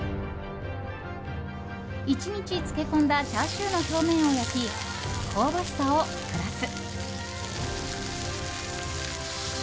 １日漬け込んだチャーシューの表面を焼き香ばしさをプラス。